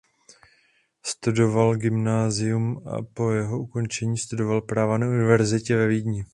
Studoval gymnázium a po jeho ukončení studoval práva na univerzitě ve Vídni.